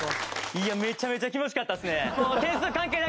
いやめちゃめちゃ気持ち良かったですね。